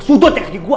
sudutnya ke diri gua